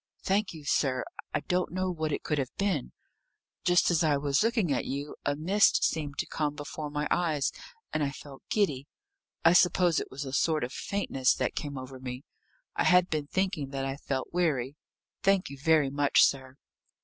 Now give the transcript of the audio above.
"Thank you, sir; I don't know what it could have been. Just as I was looking at you, a mist seemed to come before my eyes, and I felt giddy. I suppose it was a sort of faintness that came over me. I had been thinking that I felt weary. Thank you very much, sir."